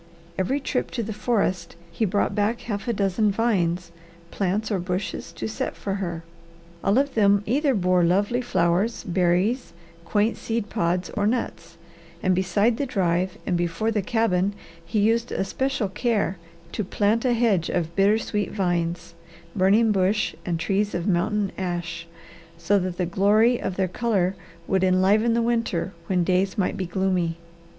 Every trip to the forest he brought back a half dozen vines, plants, or bushes to set for her. All of them either bore lovely flowers, berries, quaint seed pods, or nuts, and beside the drive and before the cabin he used especial care to plant a hedge of bittersweet vines, burning bush, and trees of mountain ash, so that the glory of their colour would enliven the winter when days might be gloomy.